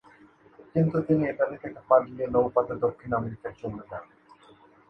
কিন্তু তিনি ইতালি থেকে পালিয়ে নৌপথে দক্ষিণ আমেরিকা চলে যান।